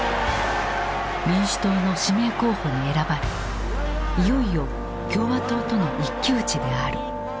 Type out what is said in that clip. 民主党の指名候補に選ばれいよいよ共和党との一騎打ちである。